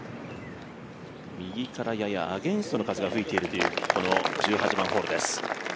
右からややアゲンストの風が吹いているという１８番ホールです。